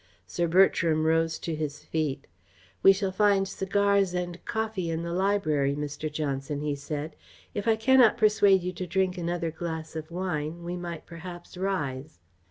Sir Bertram rose to his feet. "We shall find cigars and coffee in the library, Mr. Johnson," he said. "If I cannot persuade you to drink another glass of wine we might, perhaps, rise."